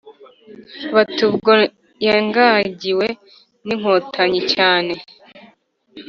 Bati:Ubwo yanyagiwe n’Inkotanyi cyane,